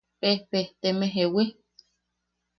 Pejpejteme ¿Jewi?